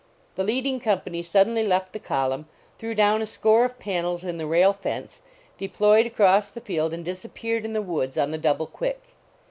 The leading company suddenly left the column, threw down a score of panels in the rail fence, deployed across the field and disappeared in the woods on the double quick.